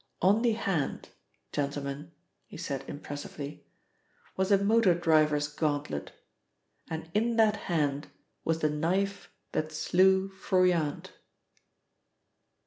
On the hand, gentlemen," he said impressively, "was a motor driver's gauntlet, and in that hand was the knife that slew Froyant."